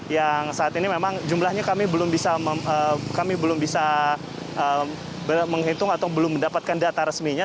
yang saat ini memang jumlahnya kami belum bisa menghitung atau belum mendapatkan data resminya